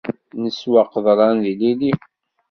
Neswa qeḍran d yilili.